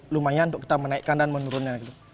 lumayan untuk kita menaikkan dan menurunnya